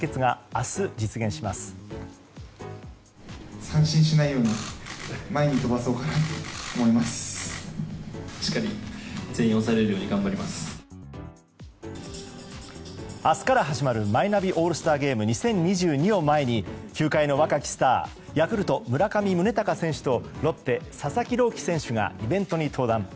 明日から始まるマイナビオールスターゲーム２０２２を前に球界の若きスターヤクルト、村上宗隆選手とロッテ、佐々木朗希選手がイベントに登壇。